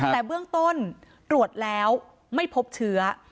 แต่เบื้องต้นตรวจแล้วไม่พบเชื้อ